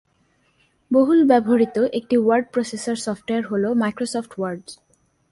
বহুল ব্যবহৃত একটি ওয়ার্ড প্রসেসর সফটওয়্যার হল মাইক্রোসফট ওয়ার্ড।